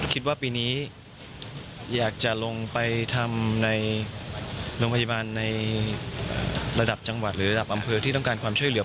คิดว่าปีนี้อยากจะลงไปทำในโรงพยาบาลในระดับจังหวัดหรือระดับอำเภอที่ต้องการความช่วยเหลือ